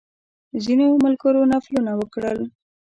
ځینو ملګرو نفلونه وکړل.